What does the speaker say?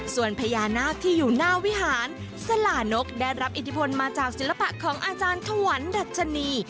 ส่วนพญานาคที่อยู่หน้าวิหารสลานกได้รับอิทธิพลมาจากศิลปะของอาจารย์ถวันดัชนี